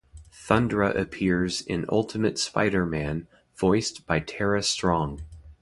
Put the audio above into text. Thundra appears in "Ultimate Spider-Man", voiced by Tara Strong.